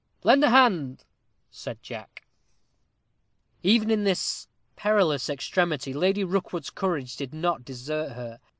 "Lend a hand," said Jack. Even in this perilous extremity Lady Rookwood's courage did not desert her.